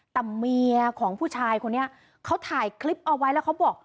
แต่เมียของผู้ชายคนนี้เขาถ่ายคลิปเอาไว้แล้วเขาบอก